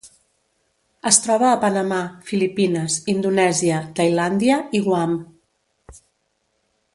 Es troba a Panamà, Filipines, Indonèsia, Tailàndia i Guam.